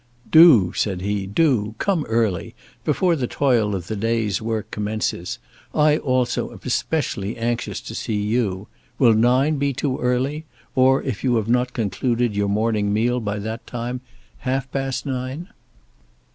"Do," said he; "do; come early, before the toil of the day's work commences. I also am specially anxious to see you. Will nine be too early, or, if you have not concluded your morning meal by that time, half past nine?"